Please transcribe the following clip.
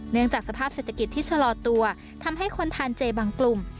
จากสภาพเศรษฐกิจที่ชะลอตัวทำให้คนทานเจบางกลุ่ม